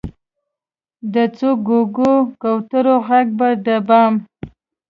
د څو ګوګو، کوترو ږغ به د بام،